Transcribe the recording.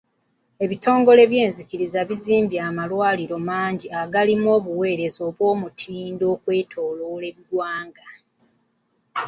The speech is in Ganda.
Ebitongole by'enzikiriza bizimbye amalwaliro mangi agalimu obuweereza obw'omutindo okwetooloola eggwanga.